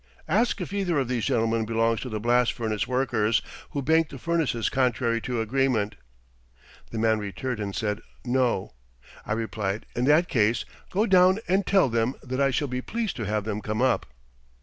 "Ask if either of these gentlemen belongs to the blast furnace workers who banked the furnaces contrary to agreement." The man returned and said "No." I replied: "In that case go down and tell them that I shall be pleased to have them come up."